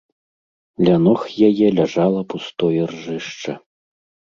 Ля ног яе ляжала пустое ржышча.